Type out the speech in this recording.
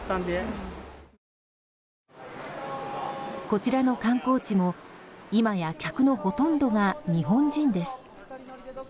こちらの観光地も今や客のほとんどが日本人です。